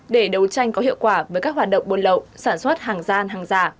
để đấu tranh có hiệu quả với các hoạt động buôn lậu sản xuất hàng gian hàng giả